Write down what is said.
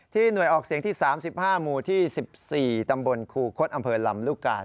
หน่วยออกเสียงที่๓๕หมู่ที่๑๔ตำบลครูคดอำเภอลำลูกกา